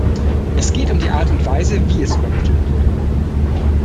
Es geht um die Art und Weise wie es übermittelt wurde.